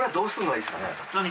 普通に。